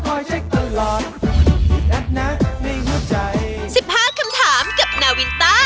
ร้องเพลงเปิดตัวหน่อย